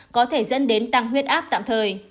có thể dẫn đến tăng huyết áp tạm thời